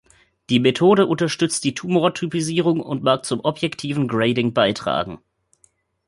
Die Methode unterstützt die Tumor-Typisierung und mag zum objektiven Grading beitragen.